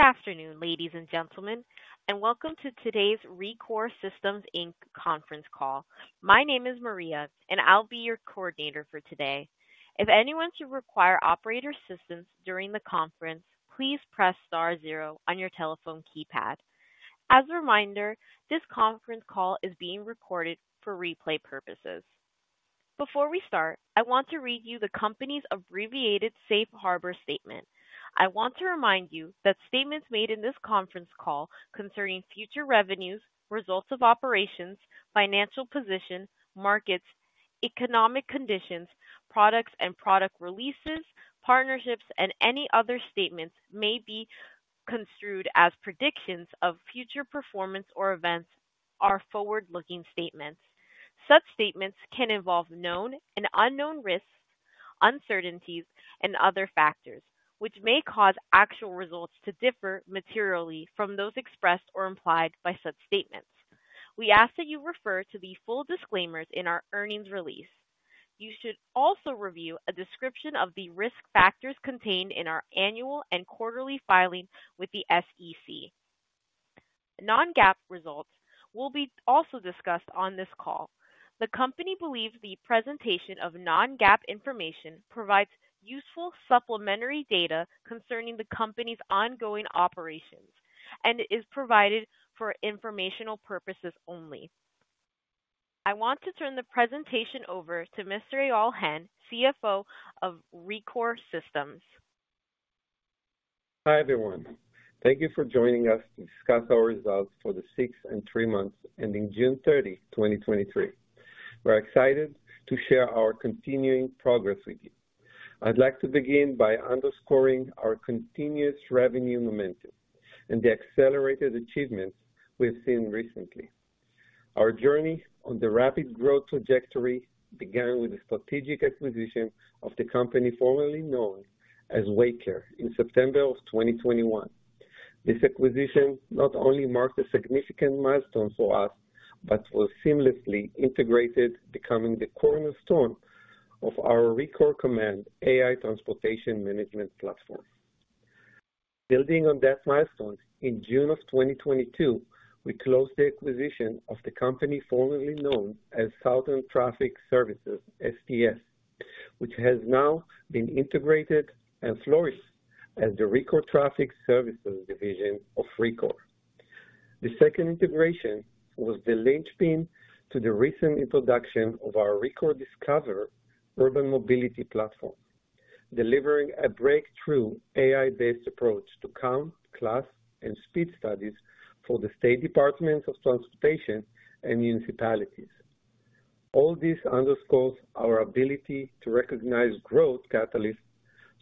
Good afternoon, ladies and gentlemen, and welcome to today's Rekor Systems Inc. conference call. My name is Maria, and I'll be your coordinator for today. If anyone should require operator assistance during the conference, please press star zero on your telephone keypad. As a reminder, this conference call is being recorded for replay purposes. Before we start, I want to read you the company's abbreviated safe harbor statement. I want to remind you that statements made in this conference call concerning future revenues, results of operations, financial position, markets, economic conditions, products and product releases, partnerships, and any other statements may be construed as predictions of future performance or events are forward-looking statements. Such statements can involve known and unknown risks, uncertainties, and other factors, which may cause actual results to differ materially from those expressed or implied by such statements. We ask that you refer to the full disclaimers in our earnings release. You should also review a description of the risk factors contained in our annual and quarterly filing with the SEC. Non-GAAP results will be also discussed on this call. The company believes the presentation of Non-GAAP information provides useful supplementary data concerning the company's ongoing operations and is provided for informational purposes only. I want to turn the presentation over to Mr. Eyal Hen, CFO of Rekor Systems. Hi, everyone. Thank you for joining us to discuss our results for the sixth and three months, ending June 30, 2023. We're excited to share our continuing progress with you. I'd like to begin by underscoring our continuous revenue momentum and the accelerated achievements we've seen recently. Our journey on the rapid growth trajectory began with the strategic acquisition of the company formerly known as Waycare, in September 2021. This acquisition not only marked a significant milestone for us, but was seamlessly integrated, becoming the cornerstone of our Rekor Command AI Transportation Management Platform. Building on that milestone, in June 2022, we closed the acquisition of the company formerly known as Southern Traffic Services, STS, which has now been integrated and flourished as the Rekor Traffic Services division of Rekor. The second integration was the linchpin to the recent introduction of our Rekor Discover Urban Mobility Platform, delivering a breakthrough AI-based approach to count, class, and speed studies for the State Department of Transportation and municipalities. All this underscores our ability to recognize growth catalysts,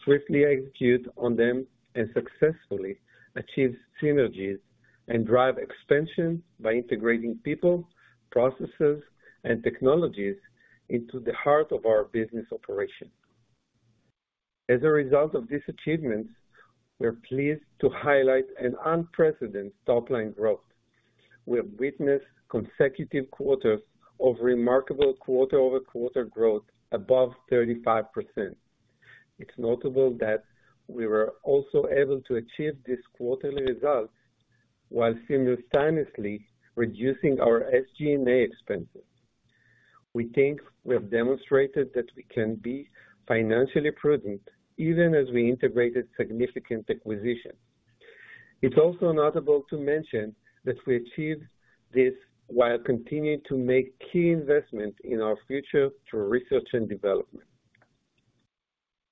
swiftly execute on them, and successfully achieve synergies and drive expansion by integrating people, processes, and technologies into the heart of our business operation. As a result of this achievement, we are pleased to highlight an unprecedented top-line growth. We have witnessed consecutive quarters of remarkable quarter-over-quarter growth above 35%. It's notable that we were also able to achieve this quarterly result while simultaneously reducing our SG&A expenses. We think we have demonstrated that we can be financially prudent even as we integrated significant acquisitions. It's also notable to mention that we achieved this while continuing to make key investments in our future through research and development.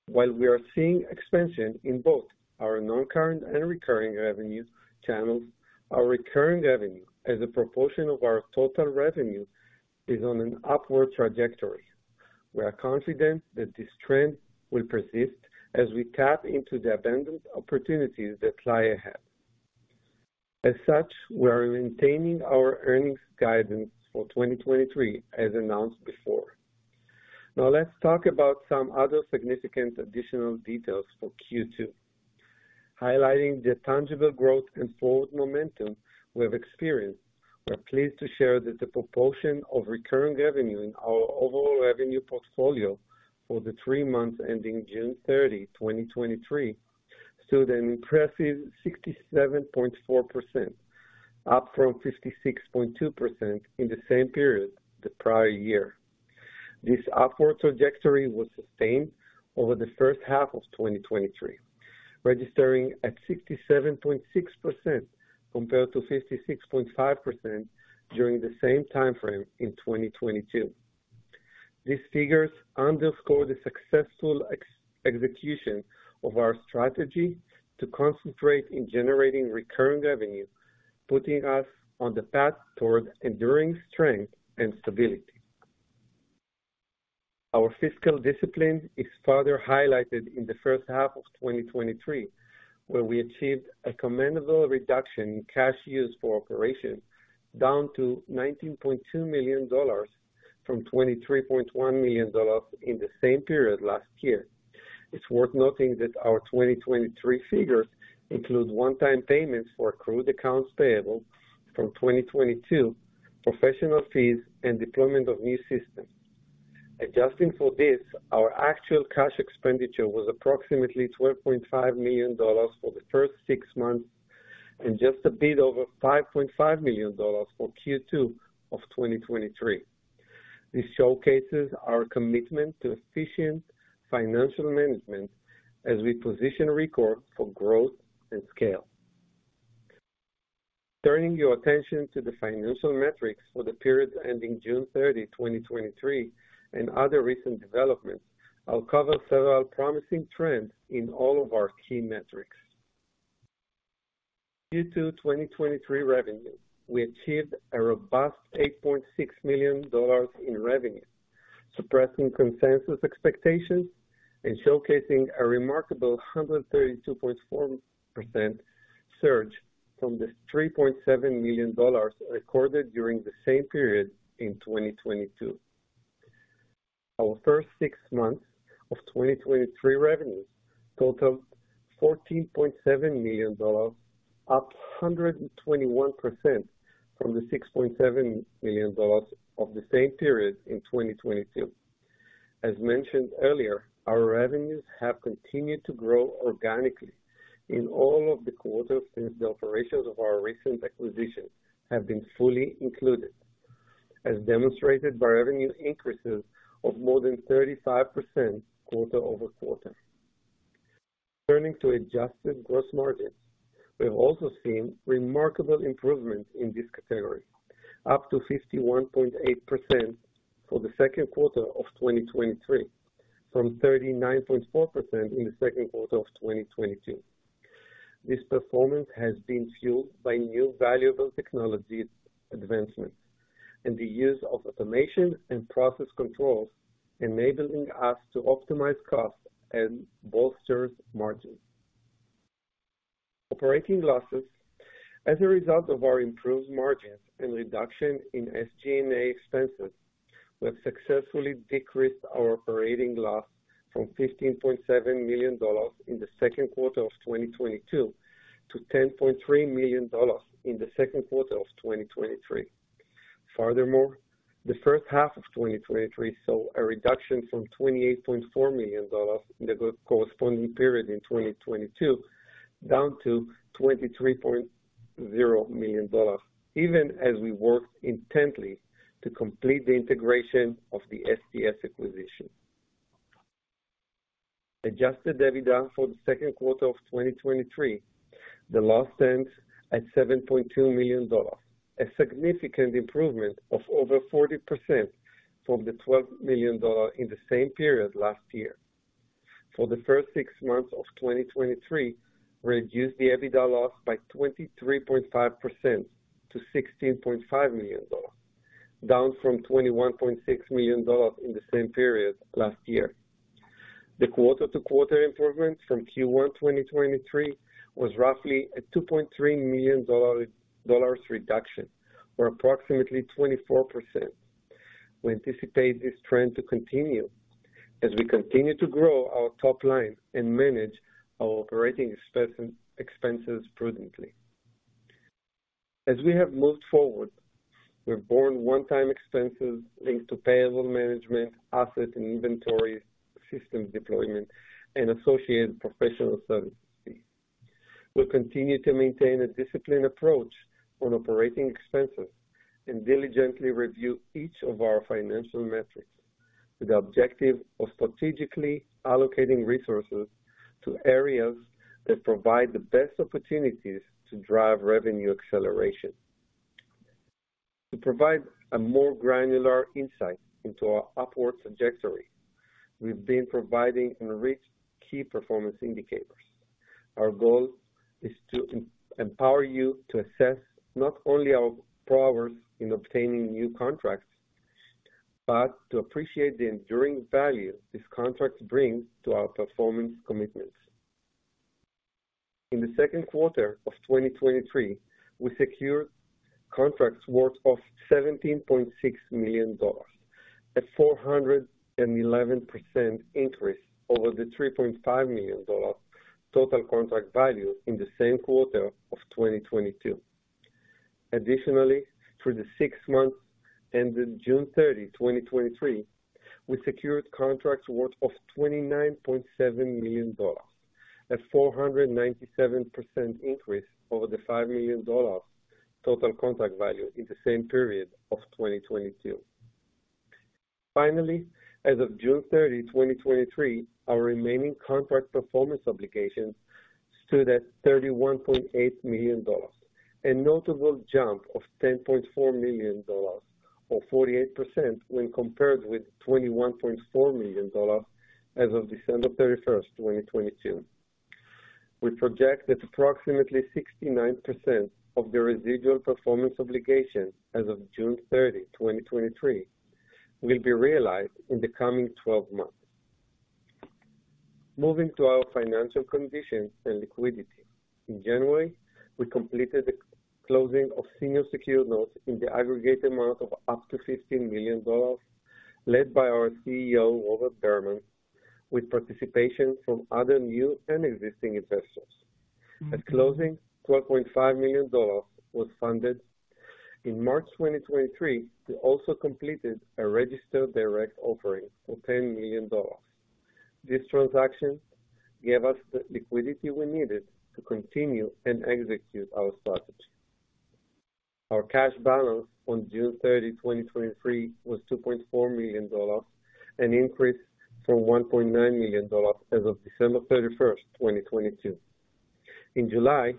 While we are seeing expansion in both our non-current and recurring revenue channels, our recurring revenue as a proportion of our total revenue is on an upward trajectory. We are confident that this trend will persist as we tap into the abundant opportunities that lie ahead. As such, we are maintaining our earnings guidance for 2023 as announced before. Let's talk about some other significant additional details for Q2. Highlighting the tangible growth and forward momentum we have experienced, we are pleased to share that the proportion of recurring revenue in our overall revenue portfolio for the three months ending June 30, 2023, stood an impressive 67.4%, up from 56.2% in the same period the prior year. This upward trajectory was sustained over the first half of 2023, registering at 67.6% compared to 56.5% during the same time frame in 2022. These figures underscore the successful execution of our strategy to concentrate in generating recurring revenue, putting us on the path toward enduring strength and stability. Our fiscal discipline is further highlighted in the first half of 2023, where we achieved a commendable reduction in cash used for operations, down to $19.2 million from $23.1 million in the same period last year. It's worth noting that our 2023 figures include one-time payments for accrued accounts payable from 2022, professional fees, and deployment of new systems. Adjusting for this, our actual cash expenditure was approximately $12.5 million for the first six months, and just a bit over $5.5 million for Q2 of 2023. This showcases our commitment to efficient financial management as we position Rekor for growth and scale. Turning your attention to the financial metrics for the period ending June 30, 2023, and other recent developments, I'll cover several promising trends in all of our key metrics. Q2 2023 revenue, we achieved a robust $8.6 million in revenue, surpassing consensus expectations and showcasing a remarkable 132.4% surge from the $3.7 million recorded during the same period in 2022. Our first six months of 2023 revenues totaled $14.7 million, up 121% from the $6.7 million of the same period in 2022. As mentioned earlier, our revenues have continued to grow organically in all of the quarters since the operations of our recent acquisitions have been fully included, as demonstrated by revenue increases of more than 35% quarter-over-quarter. Turning to adjusted gross margin, we have also seen remarkable improvements in this category, up to 51.8% for the second quarter of 2023, from 39.4% in the second quarter of 2022. This performance has been fueled by new valuable technologies advancements, and the use of automation and process controls, enabling us to optimize costs and bolsters margins. Operating losses. As a result of our improved margins and reduction in SG&A expenses, we have successfully decreased our operating loss from $15.7 million in the second quarter of 2022 to $10.3 million in the second quarter of 2023. The first half of 2023 saw a reduction from $28.4 million in the corresponding period in 2022, down to $23.0 million, even as we worked intently to complete the integration of the STS acquisition. Adjusted EBITDA for the second quarter of 2023, the loss stands at $7.2 million, a significant improvement of over 40% from the $12 million in the same period last year. For the first 6 months of 2023, we reduced the EBITDA loss by 23.5% to $16.5 million, down from $21.6 million in the same period last year. The quarter-to-quarter improvement from Q1 2023 was roughly a $2.3 million reduction, or approximately 24%. We anticipate this trend to continue as we continue to grow our top line and manage our operating expenses prudently. As we have moved forward, we've borne one-time expenses linked to payable management, asset and inventory system deployment, and associated professional services. We'll continue to maintain a disciplined approach on operating expenses and diligently review each of our financial metrics, with the objective of strategically allocating resources to areas that provide the best opportunities to drive revenue acceleration. To provide a more granular insight into our upward trajectory, we've been providing and reach key performance indicators. Our goal is to empower you to assess not only our progress in obtaining new contracts, but to appreciate the enduring value these contracts bring to our performance commitments. In the second quarter of 2023, we secured contracts worth of $17.6 million, a 411% increase over the $3.5 million total contract value in the same quarter of 2022. Through the 6 months ending June 30, 2023, we secured contracts worth of $29.7 million, a 497% increase over the $5 million total contract value in the same period of 2022. Finally, as of June 30, 2023, our remaining contract performance obligations stood at $31.8 million, a notable jump of $10.4 million, or 48%, when compared with $21.4 million as of December 31, 2022. We project that approximately 69% of the residual performance obligations as of June 30, 2023, will be realized in the coming 12 months. Moving to our financial conditions and liquidity. In January, we completed the closing of senior secured notes in the aggregate amount of up to $15 million, led by our CEO, Robert Berman, with participation from other new and existing investors. At closing, $12.5 million was funded. In March 2023, we also completed a registered direct offering for $10 million. This transaction gave us the liquidity we needed to continue and execute our strategy. Our cash balance on June 30, 2023, was $2.4 million, an increase from $1.9 million as of December 31, 2022. In July,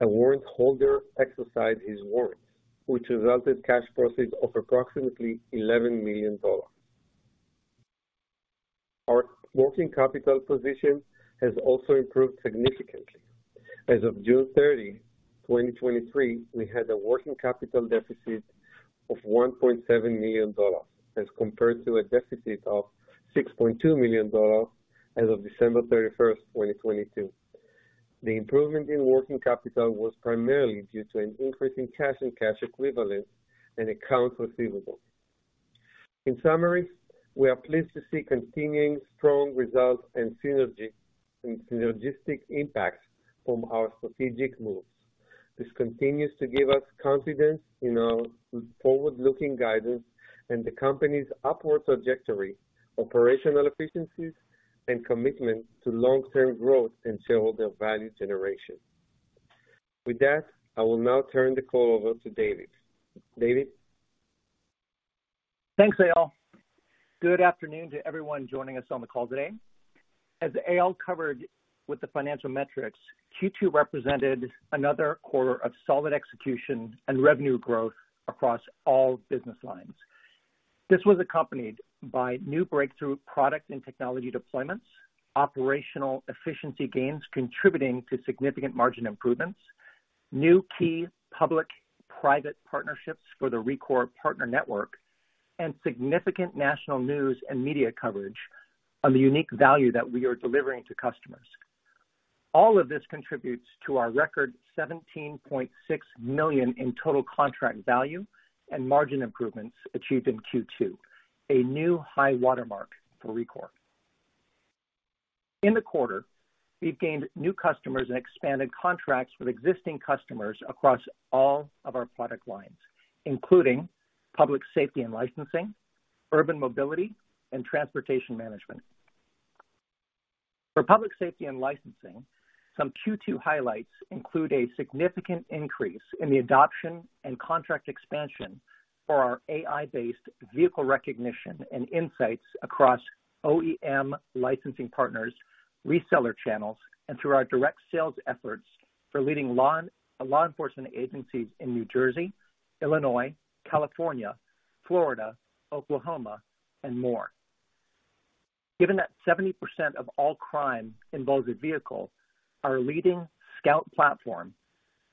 a warrant holder exercised his warrant, which resulted cash proceeds of approximately $11 million. Our working capital position has also improved significantly. As of June 30, 2023, we had a working capital deficit of $1.7 million, as compared to a deficit of $6.2 million as of December 31, 2022. The improvement in working capital was primarily due to an increase in cash and cash equivalents and accounts receivable. In summary, we are pleased to see continuing strong results and synergy, and synergistic impacts from our strategic moves. This continues to give us confidence in our forward-looking guidance and the company's upward trajectory, operational efficiencies, and commitment to long-term growth and shareholder value generation. With that, I will now turn the call over to David. David? Thanks, Eyal. Good afternoon to everyone joining us on the call today. As Eyal covered with the financial metrics, Q2 represented another quarter of solid execution and revenue growth across all business lines. This was accompanied by new breakthrough product and technology deployments, operational efficiency gains contributing to significant margin improvements, new key public-private partnerships for the Rekor Partner Network, and significant national news and media coverage on the unique value that we are delivering to customers. All of this contributes to our record, $17.6 million in total contract value and margin improvements achieved in Q2, a new high watermark for Rekor. In the quarter, we've gained new customers and expanded contracts with existing customers across all of our product lines, including public safety and licensing, urban mobility, and transportation management. For public safety and licensing, some Q2 highlights include a significant increase in the adoption and contract expansion for our AI-based vehicle recognition and insights across OEM licensing partners, reseller channels, and through our direct sales efforts for leading law enforcement agencies in New Jersey, Illinois, California, Florida, Oklahoma, and more. Given that 70% of all crime involves a vehicle, our leading Scout platform,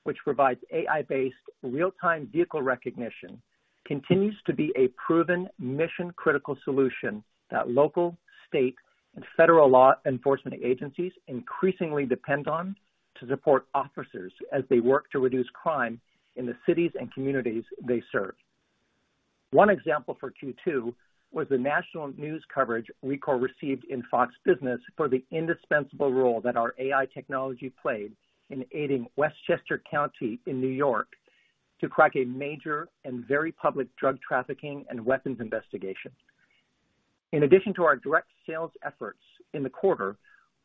which provides AI-based, real-time vehicle recognition, continues to be a proven mission-critical solution that local, state, and federal law enforcement agencies increasingly depend on to support officers as they work to reduce crime in the cities and communities they serve. One example for Q2 was the national news coverage Rekor received in Fox Business for the indispensable role that our AI technology played in aiding Westchester County in New York to crack a major and very public drug trafficking and weapons investigation. In addition to our direct sales efforts in the quarter,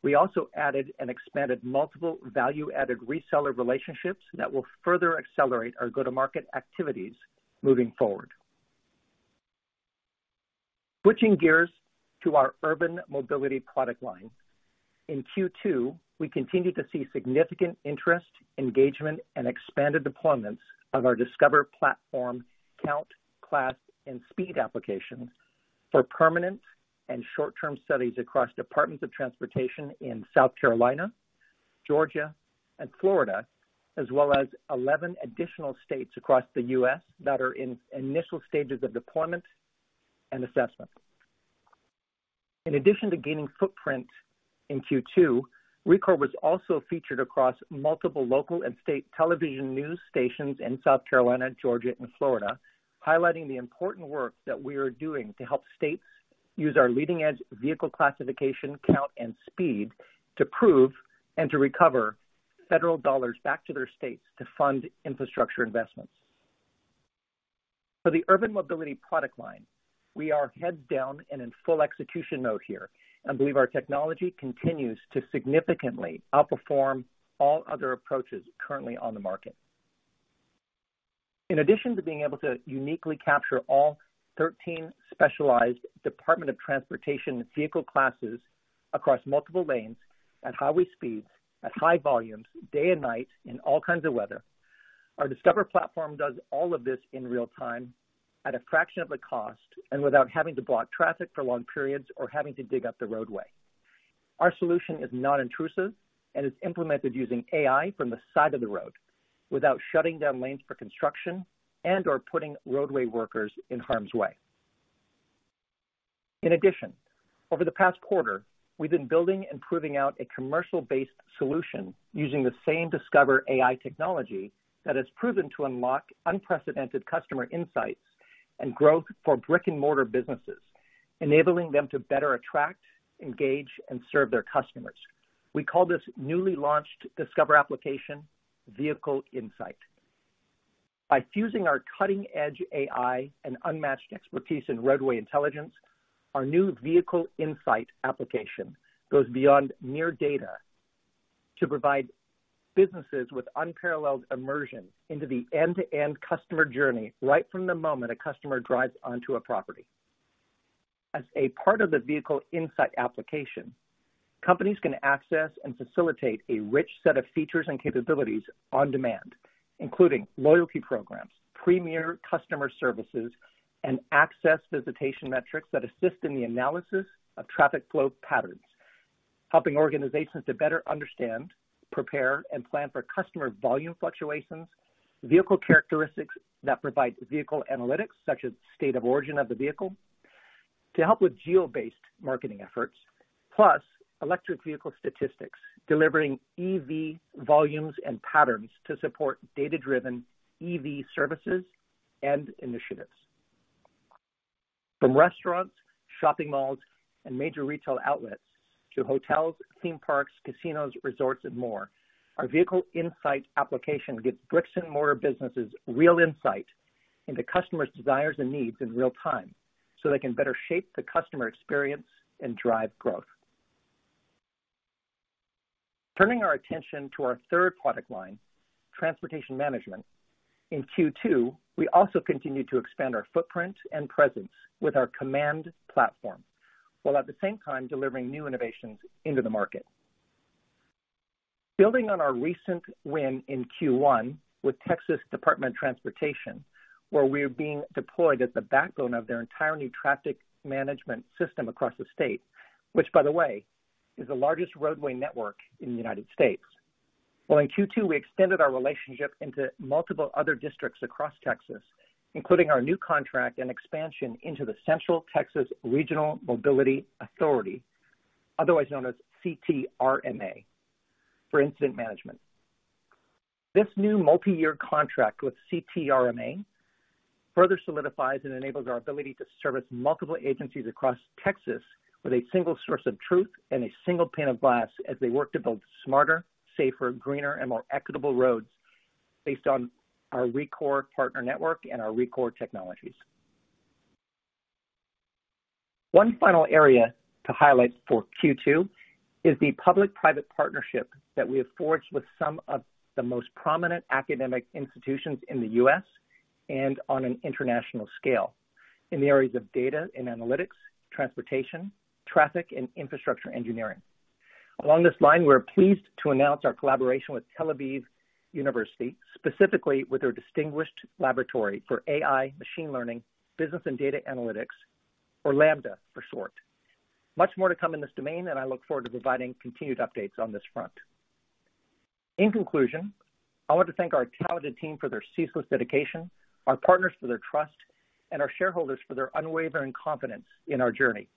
we also added and expanded multiple value-added reseller relationships that will further accelerate our go-to-market activities moving forward. Switching gears to our urban mobility product line. In Q2, we continued to see significant interest, engagement, and expanded deployments of our Discover platform, count, class, and speed applications for permanent and short-term studies across Departments of Transportation in South Carolina, Georgia, and Florida, as well as 11 additional states across the U.S. that are in initial stages of deployment and assessment. In addition to gaining footprint in Q2, Rekor was also featured across multiple local and state television news stations in South Carolina, Georgia, and Florida, highlighting the important work that we are doing to help states use our leading-edge vehicle classification, count, and speed to prove and to recover federal dollars back to their states to fund infrastructure investments. For the urban mobility product line, we are heads down and in full execution mode here and believe our technology continues to significantly outperform all other approaches currently on the market. In addition to being able to uniquely capture all 13 specialized Department of Transportation vehicle classes across multiple lanes at highway speeds, at high volumes, day and night, in all kinds of weather, our Discover platform does all of this in real time at a fraction of the cost and without having to block traffic for long periods or having to dig up the roadway. Our solution is non-intrusive and is implemented using AI from the side of the road, without shutting down lanes for construction and/or putting roadway workers in harm's way. In addition, over the past quarter, we've been building and proving out a commercial-based solution using the same Discover AI technology that has proven to unlock unprecedented customer insights and growth for brick-and-mortar businesses, enabling them to better attract, engage, and serve their customers. We call this newly launched Discover application Vehicle Insite. By fusing our cutting-edge AI and unmatched expertise in roadway intelligence, our new Vehicle Insite application goes beyond mere data to provide businesses with unparalleled immersion into the end-to-end customer journey, right from the moment a customer drives onto a property. As a part of the Vehicle Insite application, companies can access and facilitate a rich set of features and capabilities on demand, including loyalty programs, premier customer services, and access visitation metrics that assist in the analysis of traffic flow patterns, helping organizations to better understand, prepare, and plan for customer volume fluctuations, vehicle characteristics that provide vehicle analytics, such as state of origin of the vehicle, to help with geo-based marketing efforts, plus electric vehicle statistics, delivering EV volumes and patterns to support data-driven EV services and initiatives. From restaurants, shopping malls, and major retail outlets to hotels, theme parks, casinos, resorts, and more, our Vehicle Insiite application gives bricks-and-mortar businesses real insight into customers' desires and needs in real time, so they can better shape the customer experience and drive growth. Turning our attention to our 3rd product line, Transportation Management, in Q2, we also continued to expand our footprint and presence with our Command platform, while at the same time delivering new innovations into the market. Building on our recent win in Q1 with Texas Department of Transportation, where we are being deployed as the backbone of their entire new traffic management system across the state, which, by the way, is the largest roadway network in the United States. Well, in Q2, we extended our relationship into multiple other districts across Texas, including our new contract and expansion into the Central Texas Regional Mobility Authority, otherwise known as CTRMA, for incident management. This new multi-year contract with CTRMA further solidifies and enables our ability to service multiple agencies across Texas with a single source of truth and a single pane of glass as they work to build smarter, safer, greener, and more equitable roads based on our Rekor Partner Network and our Rekor technologies. One final area to highlight for Q2 is the public-private partnership that we have forged with some of the most prominent academic institutions in the U.S. and on an international scale in the areas of data and analytics, transportation, traffic, and infrastructure engineering. Along this line, we're pleased to announce our collaboration with Tel Aviv University, specifically with their Distinguished Laboratory for AI, Machine Learning, Business and Data Analytics, or LAMBDA for short. Much more to come in this domain, and I look forward to providing continued updates on this front. In conclusion, I want to thank our talented team for their ceaseless dedication, our partners for their trust, and our shareholders for their unwavering confidence in our journey.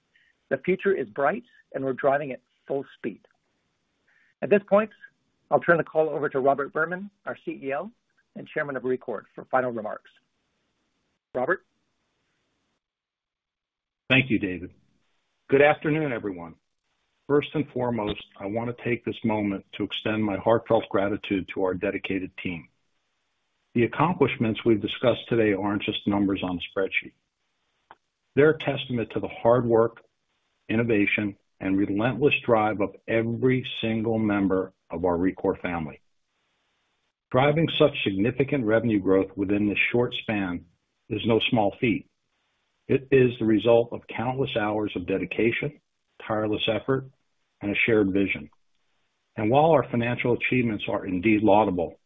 The future is bright, and we're driving at full speed. At this point, I'll turn the call over to Robert Berman, our CEO and chairman of Rekor, for final remarks. Robert? Thank you, David. Good afternoon, everyone. First and foremost, I want to take this moment to extend my heartfelt gratitude to our dedicated team. The accomplishments we've discussed today aren't just numbers on a spreadsheet. They're a testament to the hard work, innovation, and relentless drive of every single member of our Rekor family. Driving such significant revenue growth within this short span is no small feat. It is the result of countless hours of dedication, tireless effort, and a shared vision. While our financial achievements are indeed laudable,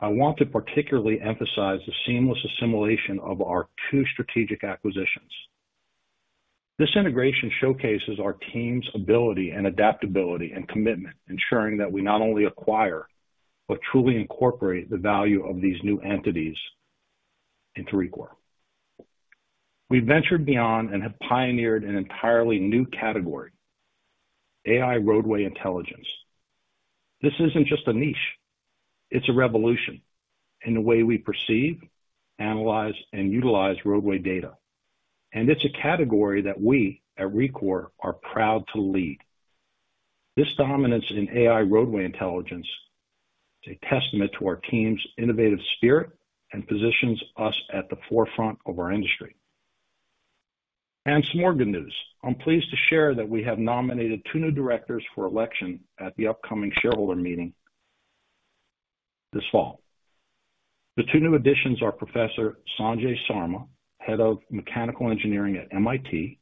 I want to particularly emphasize the seamless assimilation of our two strategic acquisitions. This integration showcases our team's ability and adaptability and commitment, ensuring that we not only acquire but truly incorporate the value of these new entities into Rekor. We've ventured beyond and have pioneered an entirely new category, AI roadway intelligence. This isn't just a niche, it's a revolution in the way we perceive, analyze, and utilize roadway data, and it's a category that we at Rekor are proud to lead. This dominance in AI roadway intelligence is a testament to our team's innovative spirit and positions us at the forefront of our industry. Some more good news. I'm pleased to share that we have nominated two new directors for election at the upcoming shareholder meeting this fall. The two new additions are Professor Sanjay Sarma, Head of Mechanical Engineering at MIT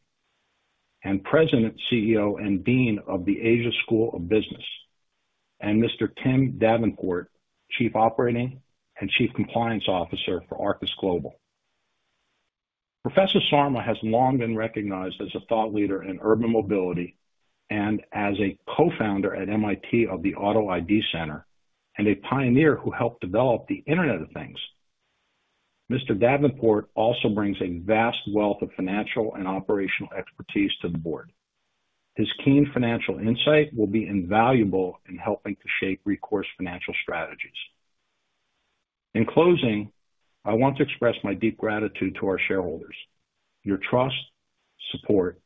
and President, CEO, and Dean of the Asia School of Business, and Mr. Tim Davenport, Chief Operating and Chief Compliance Officer for Arxis Global. Professor Sarma has long been recognized as a thought leader in urban mobility and as a co-founder at MIT of the Auto-ID Center and a pioneer who helped develop the Internet of Things. Mr. Davenport also brings a vast wealth of financial and operational expertise to the board. His keen financial insight will be invaluable in helping to shape Rekor's financial strategies. In closing, I want to express my deep gratitude to our shareholders. Your trust, support,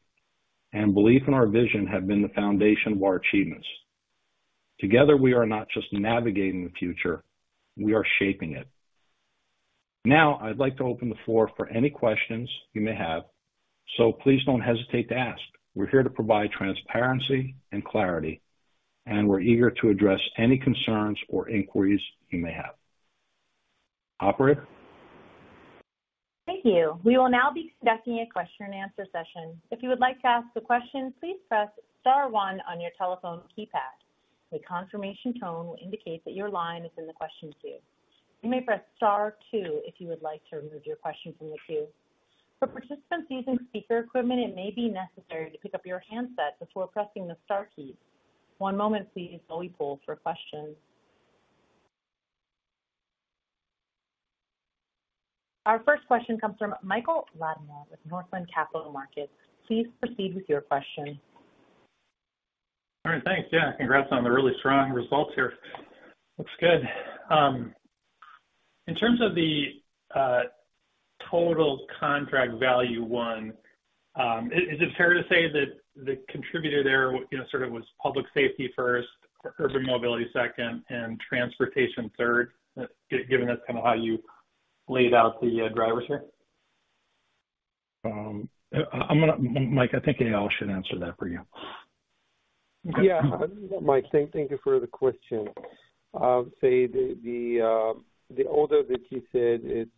and belief in our vision have been the foundation of our achievements. Together, we are not just navigating the future, we are shaping it. Now, I'd like to open the floor for any questions you may have, so please don't hesitate to ask. We're here to provide transparency and clarity, and we're eager to address any concerns or inquiries you may have. Operator? Thank you. We will now be conducting a question and answer session. If you would like to ask a question, please press star one on your telephone keypad. A confirmation tone will indicate that your line is in the question queue. You may press star two if you would like to remove your question from the queue. For participants using speaker equipment, it may be necessary to pick up your handset before pressing the star keys. One moment please, while we poll for questions. Our first question comes from Michael Latimer with Northland Capital Markets. Please proceed with your question. All right, thanks. Yeah, congrats on the really strong results here. Looks good. In terms of the total contract value won, is it fair to say that the contributor there, you know, sort of was public safety first, urban mobility second, and transportation third, given that's kind of how you laid out the drivers here? I, I'm gonna Mike, I think Eyal should answer that for you. Yeah, Mike, thank, thank you for the question. I'll say the, the, the order that you said, it's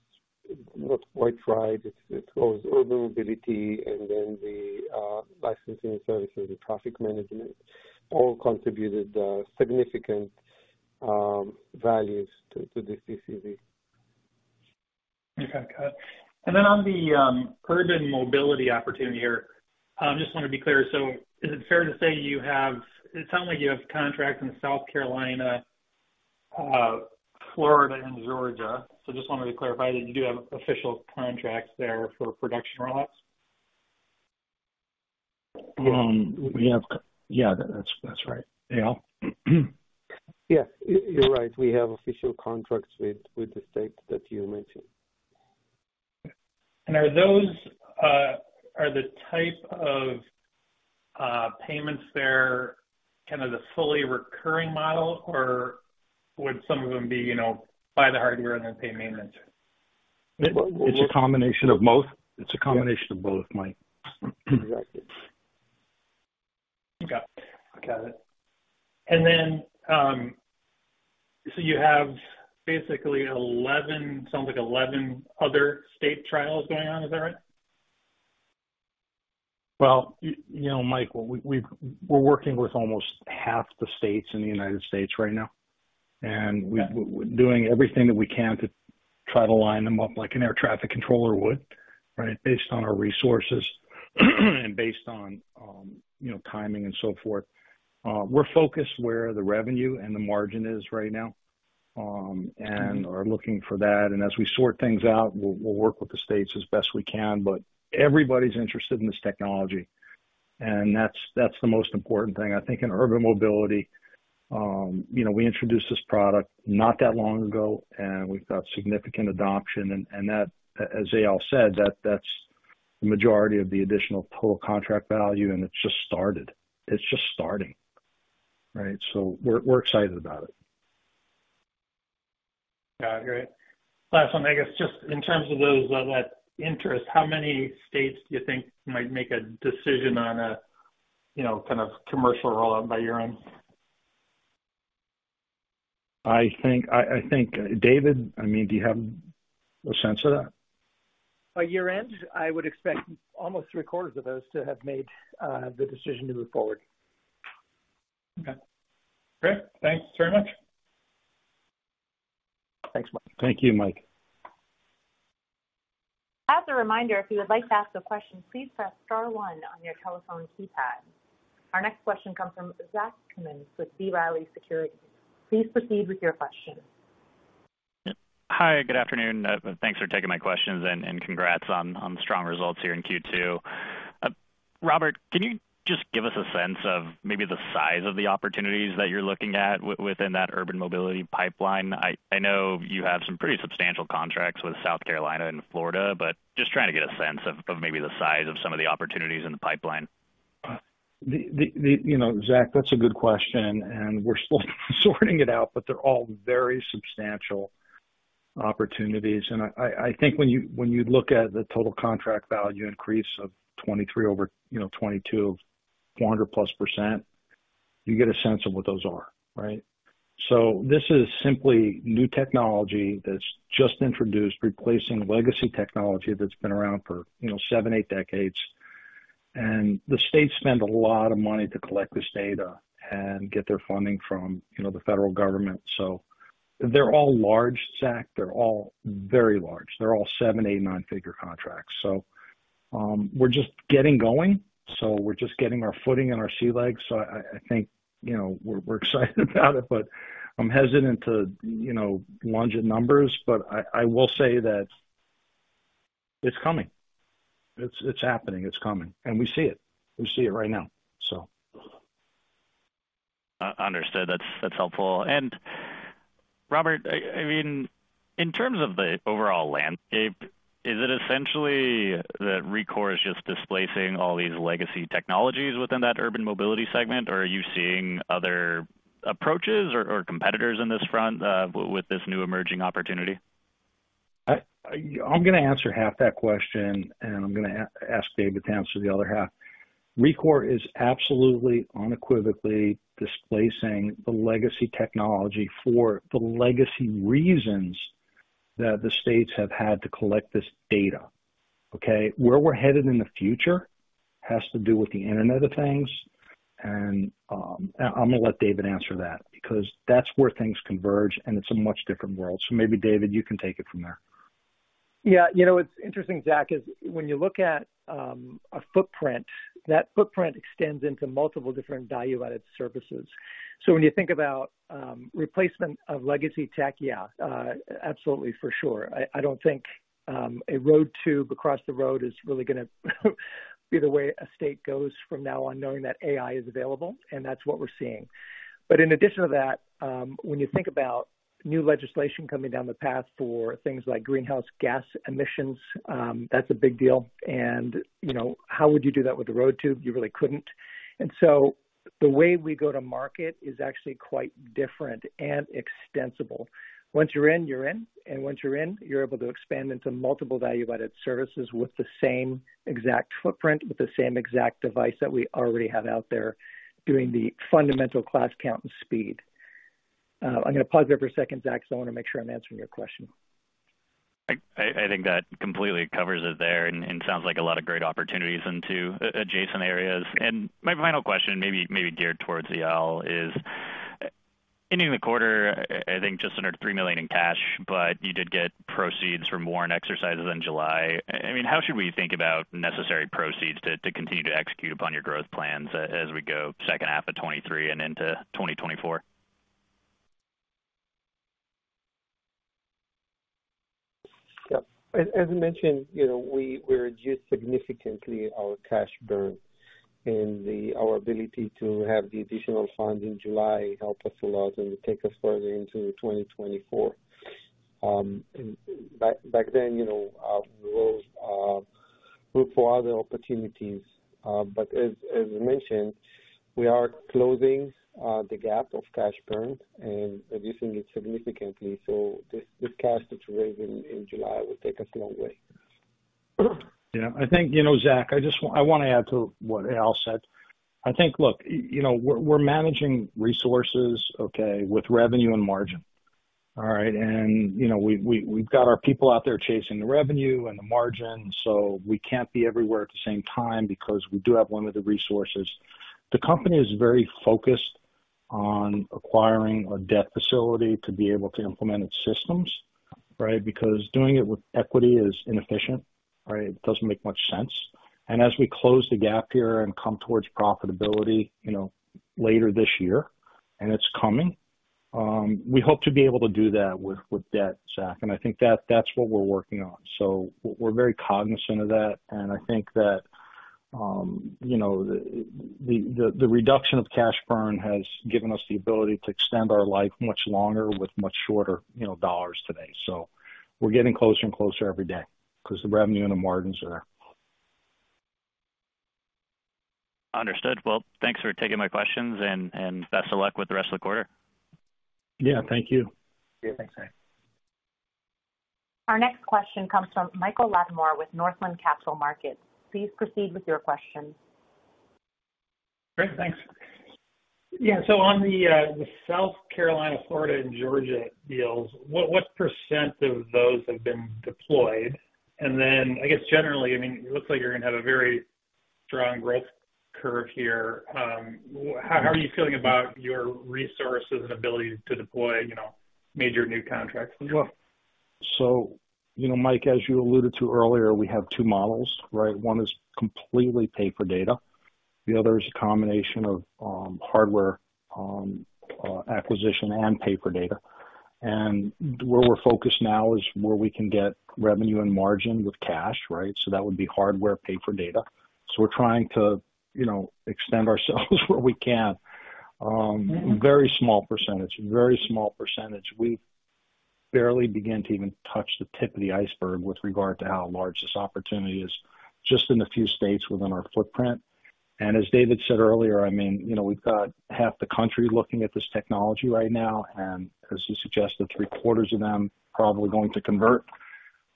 not quite right. It's, it was urban mobility and then the licensing services, the traffic management, all contributed significant values to the CCV. Okay, got it. On the urban mobility opportunity here, I just want to be clear. Is it fair to say you have it sounds like you have contracts in South Carolina, Florida, and Georgia? Just wanted to clarify, that you do have official contracts there for production rollouts? Yeah, that's, that's right. Eyal? Yes, you're right. We have official contracts with, with the state that you mentioned. Are those, are the type of payments there, kind of, the fully recurring model, or would some of them be, you know, buy the hardware and then pay maintenance? It's a combination of both. It's a combination of both, Mike. Exactly. Okay, got it. You have basically 11, sounds like 11 other state trials going on, is that right? Well, you know, Mike, we're working with almost half the states in the United States right now, and we... Yeah... we're doing everything that we can to try to line them up like an air traffic controller would, right? Based on our resources, and based on, you know, timing and so forth. We're focused where the revenue and the margin is right now, and are looking for that. As we sort things out, we'll, we'll work with the states as best we can. Everybody's interested in this technology, and that's, that's the most important thing. I think in urban mobility, you know, we introduced this product not that long ago, and we've got significant adoption. And, and that, as Eyal said, that, that's the majority of the additional total contract value, and it's just started. It's just starting, right? We're, we're excited about it. Got it. Last one, I guess, just in terms of those, that interest, how many states do you think might make a decision on a, you know, kind of commercial rollout by year-end? I think, I think, David, I mean, do you have a sense of that? By year-end, I would expect almost 3/4 of those to have made the decision to move forward. Okay, great. Thanks very much. Thanks, Mike. Thank you, Mike. As a reminder, if you would like to ask a question, please press star one on your telephone keypad. Our next question comes from Zach Cummins with B. Riley Securities. Please proceed with your question. Hi, good afternoon. Thanks for taking my questions, and congrats on the strong results here in Q2. Robert, can you just give us a sense of maybe the size of the opportunities that you're looking at within that urban mobility pipeline? I know you have some pretty substantial contracts with South Carolina and Florida, but just trying to get a sense of maybe the size of some of the opportunities in the pipeline. The, the, the, you know, Zach, that's a good question, and we're still sorting it out, but they're all very substantial opportunities. I, I think when you, when you look at the total contract value increase of 23 over, you know, 22 of 400+%, you get a sense of what those are, right? This is simply new technology that's just introduced, replacing legacy technology that's been around for, you know, 7, 8 decades. The states spend a lot of money to collect this data and get their funding from, you know, the federal government. They're all large, Zach. They're all very large. They're all 7, 8, 9-figure contracts. We're just getting going, so we're just getting our footing and our sea legs. I, I think, you know, we're, we're excited about it, but I'm hesitant to, you know, launch in numbers. I, I will say that it's coming. It's, it's happening, it's coming. We see it. We see it right now.... understood. That's, that's helpful. Robert, I, I mean, in terms of the overall landscape, is it essentially that Rekor is just displacing all these legacy technologies within that urban mobility segment, or are you seeing other approaches or, or competitors in this front with this new emerging opportunity? I'm gonna answer half that question, and I'm gonna ask David to answer the other half. Rekor is absolutely, unequivocally displacing the legacy technology for the legacy reasons that the states have had to collect this data, okay? Where we're headed in the future has to do with the Internet of Things. I'm gonna let David answer that because that's where things converge, and it's a much different world. Maybe, David, you can take it from there. Yeah. You know what's interesting, Zach, is when you look at a footprint, that footprint extends into multiple different value-added services. When you think about replacement of legacy tech, yeah, absolutely, for sure. I, I don't think a road tube across the road is really gonna be the way a state goes from now on, knowing that AI is available, and that's what we're seeing. In addition to that, when you think about new legislation coming down the path for things like greenhouse gas emissions, that's a big deal. You know, how would you do that with the road tube? You really couldn't. The way we go to market is actually quite different and extensible. Once you're in, you're in, and once you're in, you're able to expand into multiple value-added services with the same exact footprint, with the same exact device that we already have out there, doing the fundamental class count and speed. I'm gonna pause there for a second, Zach. I wanna make sure I'm answering your question. I, I, I think that completely covers it there, and sounds like a lot of great opportunities into adjacent areas. My final question, maybe, maybe geared towards Eyal, is, ending the quarter, I think, just under $3 million in cash, but you did get proceeds from warrant exercises in July. I mean, how should we think about necessary proceeds to, to continue to execute upon your growth plans as we go second half of 2023 and into 2024? Yeah. As, as I mentioned, you know, we, we reduced significantly our cash burn, and our ability to have the additional funds in July helped us a lot, and it take us further into 2024. Back, back then, you know, our goals are look for other opportunities. As, as we mentioned, we are closing the gap of cash burn and reducing it significantly. This, this cash that we raised in, in July will take us a long way. Yeah. I think, you know, Zach, I just wanna add to what Eyal said. I think, look, you know, we're, we're managing resources, okay, with revenue and margin. All right? You know, we've, we've, we've got our people out there chasing the revenue and the margin, so we can't be everywhere at the same time because we do have limited resources. The company is very focused on acquiring a debt facility to be able to implement its systems, right? Because doing it with equity is inefficient, right? It doesn't make much sense. As we close the gap here and come towards profitability, you know, later this year, and it's coming, we hope to be able to do that with, with debt, Zach. I think that that's what we're working on. We're very cognizant of that, and I think that, you know, the, the, the reduction of cash burn has given us the ability to extend our life much longer with much shorter, you know, dollars today. We're getting closer and closer every day because the revenue and the margins are there. Understood. Well, thanks for taking my questions and best of luck with the rest of the quarter. Yeah, thank you. Yeah. Thanks, Zach. Our next question comes from Michael Latimer with Northland Capital Markets. Please proceed with your question. Great, thanks. On the South Carolina, Florida, and Georgia deals, what, what % of those have been deployed? I guess generally, I mean, it looks like you're gonna have a very strong growth curve here. How are you feeling about your resources and ability to deploy, you know, major new contracts as well? You know, Mike, as you alluded to earlier, we have two models, right? One is completely pay for data, the other is a combination of hardware acquisition and pay for data. Where we're focused now is where we can get revenue and margin with cash, right? That would be hardware pay for data. We're trying to, you know, extend ourselves where we can. Very small percentage, very small percentage. We barely begin to even touch the tip of the iceberg with regard to how large this opportunity is, just in a few states within our footprint. As David said earlier, I mean, you know, we've got half the country looking at this technology right now, and as you suggested, three-quarters of them probably going to convert.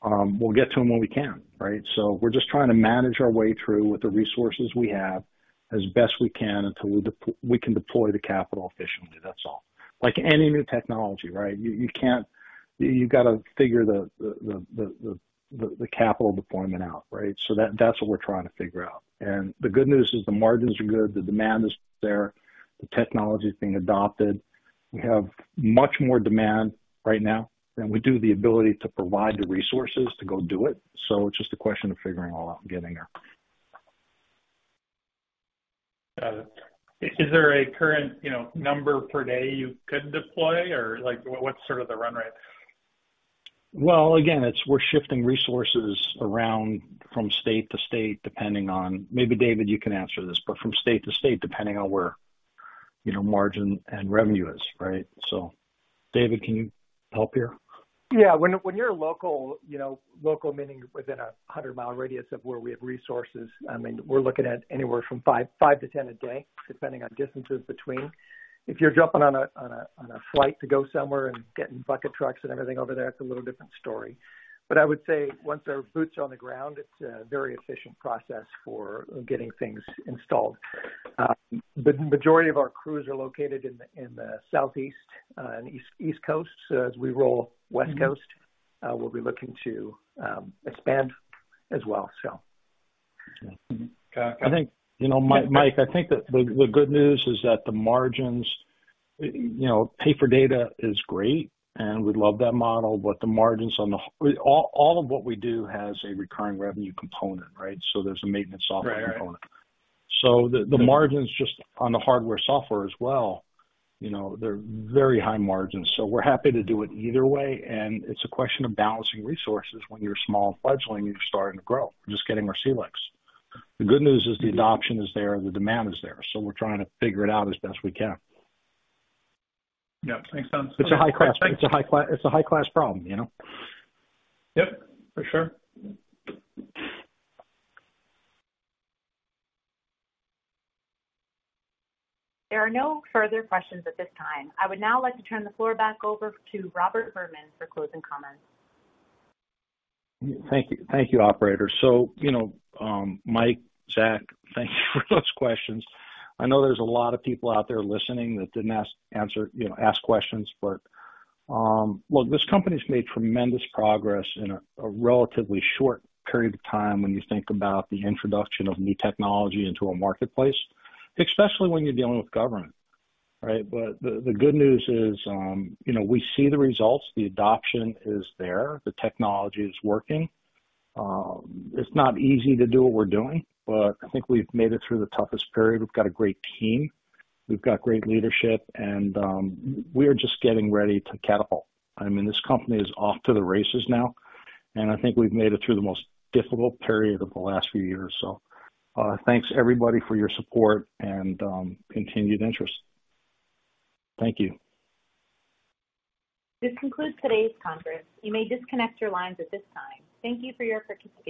We'll get to them when we can, right? We're just trying to manage our way through with the resources we have as best we can until we can deploy the capital efficiently. That's all. Like any new technology, right? You, you can't. You, you gotta figure the capital deployment out, right? That, that's what we're trying to figure out. The good news is the margins are good, the demand is there, the technology is being adopted. We have much more demand right now than we do the ability to provide the resources to go do it, so it's just a question of figuring it all out and getting there. Got it. Is there a current, you know, number per day you could deploy, or, like, what's sort of the run rate? Well, again, it's we're shifting resources around from state to state, depending on, maybe, David, you can answer this, but from state to state, depending on where, you know, margin and revenue is, right? David, can you help here? Yeah. When, when you're a local, you know, local meaning within a 100-mile radius of where we have resources, I mean, we're looking at anywhere from 5-10 a day, depending on distances between. If you're jumping on a, on a, on a flight to go somewhere and getting bucket trucks and everything over there, it's a little different story. I would say, once there are boots on the ground, it's a very efficient process for getting things installed. The majority of our crews are located in the, in the southeast, and East Coast. As we roll West Coast, we'll be looking to expand as well, so. I think, you know, Mike, I think that the, the good news is that the margins, you know, pay-for-data is great, and we love that model, but the margins. All of what we do has a recurring revenue component, right? There's a maintenance software component. Right, right. The margins just on the hardware, software as well, you know, they're very high margins, so we're happy to do it either way, and it's a question of balancing resources. When you're a small fledgling, you're starting to grow. We're just getting our sea legs. The good news is the adoption is there, the demand is there, so we're trying to figure it out as best we can. Yeah. Makes sense. It's a high-class, it's a high-class, it's a high-class problem, you know? Yep, for sure. There are no further questions at this time. I would now like to turn the floor back over to Robert Berman for closing comments. Thank you. Thank you, operator. You know, Mike, Zach, thank you for those questions. I know there's a lot of people out there listening that didn't ask, answer, you know, ask questions, well, this company's made tremendous progress in a relatively short period of time when you think about the introduction of new technology into a marketplace, especially when you're dealing with government, right? The, the good news is, you know, we see the results, the adoption is there, the technology is working. It's not easy to do what we're doing, but I think we've made it through the toughest period. We've got a great team, we've got great leadership, and we're just getting ready to catapult. I mean, this company is off to the races now, and I think we've made it through the most difficult period of the last few years. Thanks, everybody, for your support and, continued interest. Thank you. This concludes today's conference. You may disconnect your lines at this time. Thank you for your participation.